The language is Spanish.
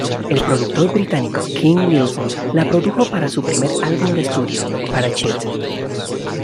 El productor británico Ken Nelson la produjo para su primer álbum de estudio, "Parachutes".